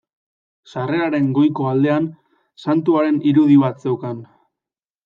Sarreraren goiko aldean Santuaren irudi bat zeukan.